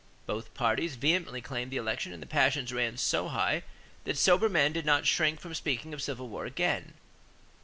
Both parties vehemently claimed the election and the passions ran so high that sober men did not shrink from speaking of civil war again.